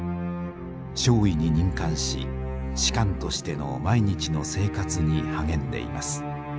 少尉に任官し士官としての毎日の生活に励んでいます」。